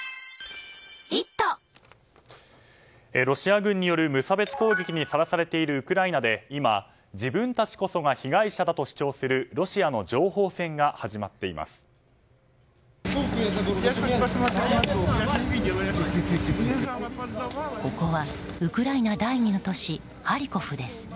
ロシア軍による無差別攻撃にさらされているウクライナで今、自分たちこそが被害者だと主張するロシアの情報戦が始まっています。